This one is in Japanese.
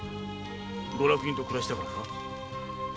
ご落胤と暮らしたからか？